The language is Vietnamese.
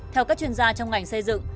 theo các chuyên gia trong ngành xây dựng